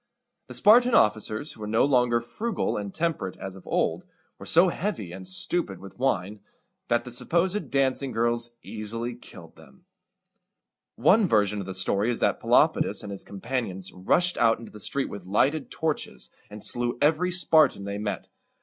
The Spartan officers, who were no longer frugal and temperate as of old, were so heavy and stupid with wine, that the supposed dancing girls easily killed them. [Illustration: "Avenge yourselves by killing my only child."] One version of the story is, that Pelopidas and his companions rushed out into the street with lighted torches, and slew every Spartan they met.